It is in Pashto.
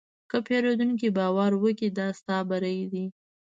که پیرودونکی باور وکړي، دا ستا بری دی.